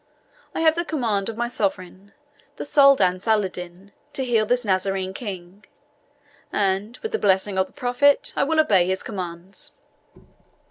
I have the command of my sovereign, the Soldan Saladin, to heal this Nazarene King, and, with the blessing of the Prophet, I will obey his commands.